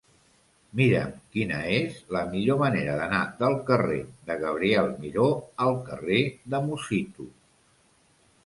Mira'm quina és la millor manera d'anar del carrer de Gabriel Miró al carrer de Musitu.